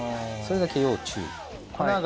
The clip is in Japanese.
それだけ要注意。